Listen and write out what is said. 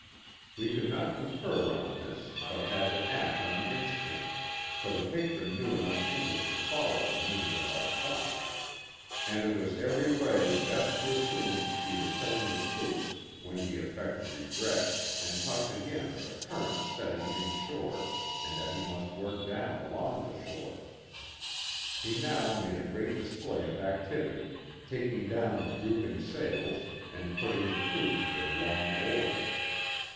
We could not confer on this but had to act on instinct, for the Patron knew enough English to follow the mean ing of our talk. And it was every way best to assume he was telling the truth when he affected regret and talked again of the current setting in shore and that he must work down along the shore. He now made a great display of activity, taking down the drooping sails and putting the crew to their long oars.